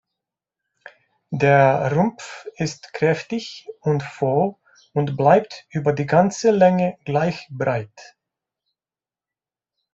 Der Rumpf ist kräftig und voll und bleibt über die ganze Länge gleich breit.